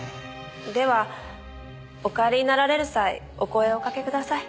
ではお帰りになられる際お声をおかけください。